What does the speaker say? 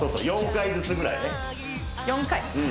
４回ずつぐらいね４回